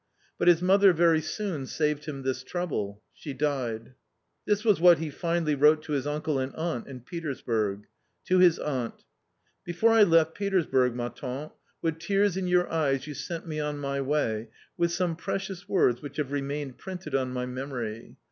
But his mother very soon saved him this trouble : she died. ~~~'^ This was what he finally wrote to his uncle and aunt in Petersburg. To his aunt :" Before I left Petersburg, ma tante, with tears in your eyes you sent me on my way with some precious words which have remained printed on my memory.